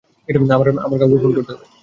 আমার কাউকে ফোন করতে হবে।